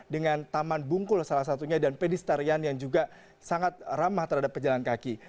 dengan taman bungkul salah satunya dan pedestarian yang juga sangat ramah terhadap pejalan kaki